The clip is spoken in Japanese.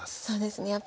そうですね。